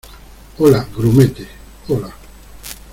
hola, grumete. hola .